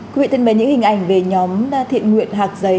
quý vị thân mến những hình ảnh về nhóm thiện nguyện hạc giấy